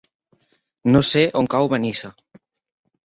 No sé on cau Benissa.